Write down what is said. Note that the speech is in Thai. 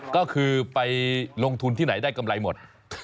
ก็คือไปลงทุนที่ไหนได้กำไรหมด